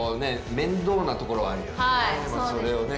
面倒なところあるよね。